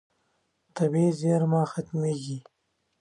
طبیعي زیرمه ختمېږي.